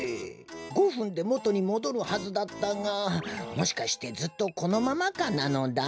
５ふんでもとにもどるはずだったがもしかしてずっとこのままかなのだ？